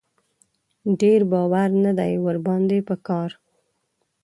ډېر باور نه دی ور باندې په کار.